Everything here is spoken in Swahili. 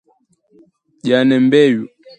Jane Mbeyu